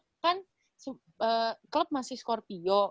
di ragunan klub masih skorpio